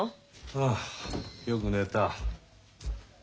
ああよく寝た。